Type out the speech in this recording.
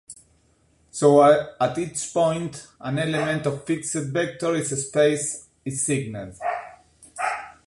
So at each point, an element of a "fixed" vector space is assigned.